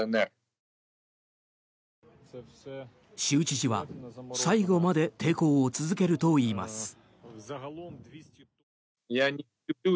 州知事は、最後まで抵抗を続けるといいます。